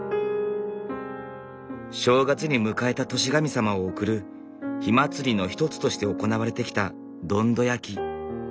正月に迎えた年神様を送る火祭りの一つとして行われてきたどんど焼き。